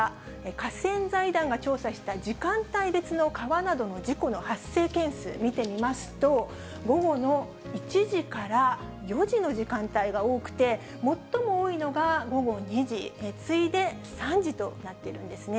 河川財団が調査した時間帯別の川などの事故の発生件数見てみますと、午後の１時から４時の時間帯が多くて、最も多いのが午後２時、次いで３時となっているんですね。